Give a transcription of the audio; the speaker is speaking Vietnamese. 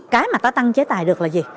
cái mà ta tăng chế tài được là gì